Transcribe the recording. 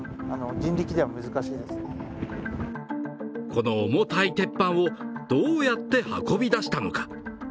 この重たい鉄板をどうやって運び出したのか。